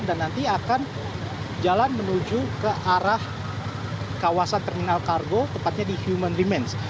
dan nanti akan jalan menuju ke arah kawasan terminal kargo tepatnya di human demands